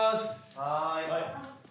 はい。